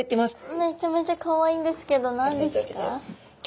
めちゃめちゃかわいいんですけど何ですか？